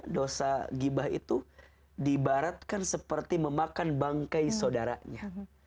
dosa gibah itu dibaratkan seperti memakan bangkai saudaranya